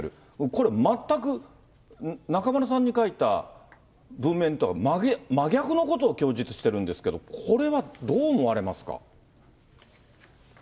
これ、全く、中村さんに書いた文面とは真逆のことを供述しているんですけれども、これはどう思われますか。